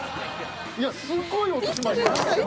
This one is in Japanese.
いやすごい落としましたよ。